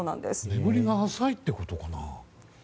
眠りが浅いってことかな？